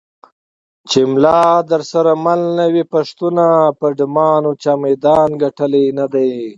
چې ملا درسره مل نه وي پښتونه په ډمانو چا میدان ګټلی نه دی.